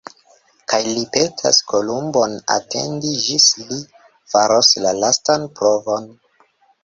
Kaj li petas Kolumbon atendi, ĝis li faros la lastan provon.